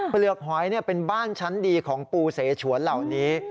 เปลือกหอยเป็นบ้านชั้นดีของปูเสฉวนเหล่านี้